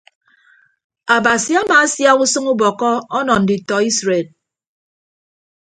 Abasi amaasiak usʌñ ubọkkọ ọnọ nditọ isred.